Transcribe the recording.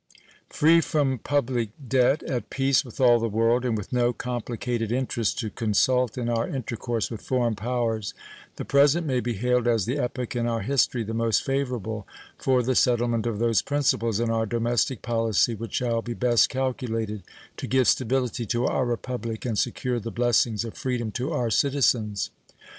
Free from public debt, at peace with all the world, and with no complicated interests to consult in our intercourse with foreign powers, the present may be hailed as the epoch in our history the most favorable for the settlement of those principles in our domestic policy which shall be best calculated to give stability to our Republic and secure the blessings of freedom to our citizens.